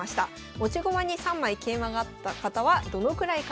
持ち駒に３枚桂馬があった方はどのくらい勝てるのか。